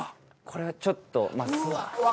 これちょっと。